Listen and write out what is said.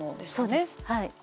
そうです。